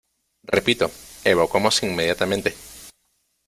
¡ repito, evacuamos inmediatamente!